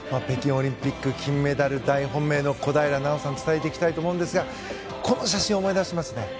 北京オリンピック金メダル大本命の小平奈緒さんを伝えていきたいと思いますがこの写真、思い出しますね。